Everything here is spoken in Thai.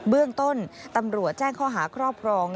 เบื้องต้นตำรวจแจ้งข้อหาครอบครอง